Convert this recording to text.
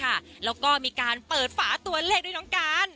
มากเลยก็นำมาถวายค่ะแล้วก็มีการเปิดฝาตัวเลขด้วยน้องการ